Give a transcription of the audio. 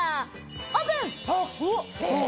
オープン！え！